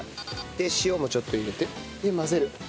塩もちょっと入れて混ぜる。